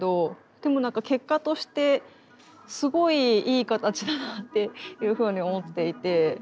でもなんか結果としてすごいいい形だなっていうふうに思っていて。